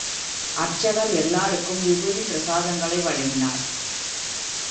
அர்ச்சகர் எல்லாருக்கும் விபூதி பிரசாதங்கள் வழங்கினார்.